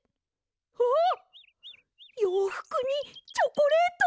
あっようふくにチョコレート！